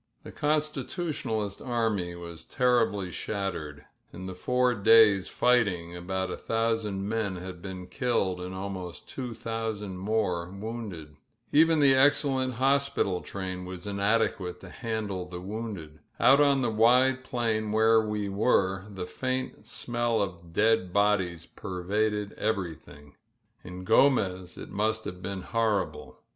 The Constitutionalist army was terriUy shattered, the four days' fighting about a thousand men had I IdDed and afanost two thousand more wounded. E the excellent hospital train was inadeqoate to hai the wounded. Oot on the wide plain where we were faint smell of dead bodies perraded ererythi In Gromez it must ha^e been horrible.